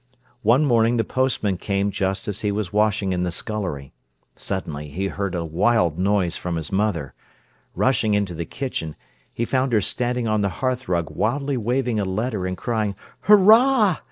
One morning the postman came just as he was washing in the scullery. Suddenly he heard a wild noise from his mother. Rushing into the kitchen, he found her standing on the hearthrug wildly waving a letter and crying "Hurrah!"